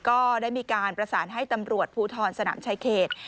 ก็ได้มีการประสานให้ตำรวจภูทรสนามชายเขต